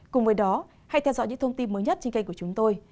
cùng với đó hãy theo dõi những thông tin mới nhất trên kênh của chúng tôi